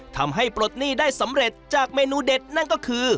ปลดหนี้ได้สำเร็จจากเมนูเด็ดนั่นก็คือ